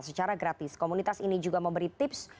secara gratis komunitas ini juga memberi tips